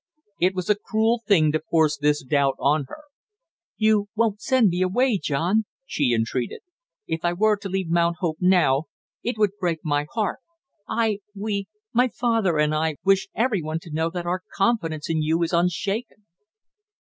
It was a cruel thing to force this doubt on her. "You won't send me away, John?" she entreated. "If I were to leave Mount Hope now it would break my heart! I we my father and I, wish every one to know that our confidence in you is unshaken."